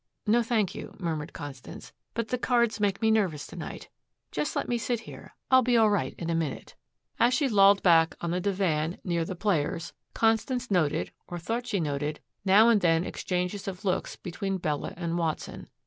"No, thank you," murmured Constance. "But the cards make me nervous to night. Just let me sit here. I'll be all right in a minute." As she lolled back on a divan near the players Constance noted, or thought she noted, now and then exchanges of looks between Bella and Watson.